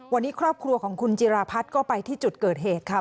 วันนี้ครอบครัวของคุณจิราพัฒน์ก็ไปที่จุดเกิดเหตุค่ะ